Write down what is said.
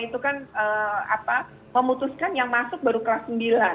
itu kan memutuskan yang masuk baru kelas sembilan